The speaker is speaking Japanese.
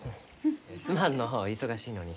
すまんのう忙しいのに。